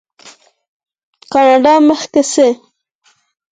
کاناډا مخکې ځي.